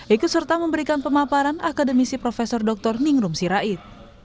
ikut serta memberikan pemaparan akademisi prof dr ningrum sirait